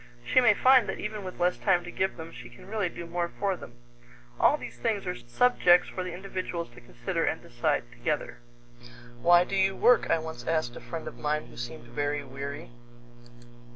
She may find that even with less time to give them, she can really do more for them. All these things are subjects for the individuals to consider and decide together. "Why do you work?" I once asked a friend of mine who seemed very weary.